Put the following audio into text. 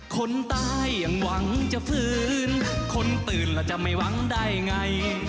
คนตายยังหวังจะฟื้นคนตื่นแล้วจะไม่หวังได้ไง